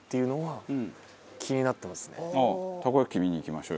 たこ焼き器見に行きましょうよ。